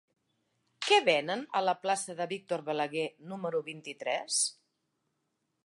Què venen a la plaça de Víctor Balaguer número vint-i-tres?